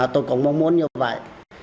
tôi cũng mong muốn như vậy